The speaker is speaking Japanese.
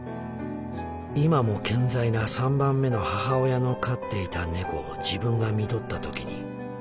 今も健在な３番目の母親の飼っていた猫を自分が看取った時にそう思った。